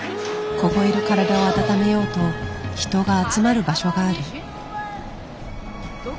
凍える体を暖めようと人が集まる場所がある。